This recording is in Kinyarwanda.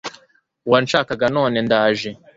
Wanshakaga none ndaje